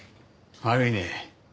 悪いね。